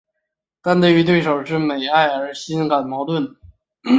但因对手是美爱而心感矛盾。